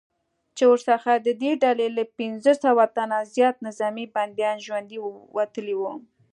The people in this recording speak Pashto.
چې ورڅخه ددې ډلې له پنځه سوه تنه زیات نظامي بندیان ژوندي وتلي وو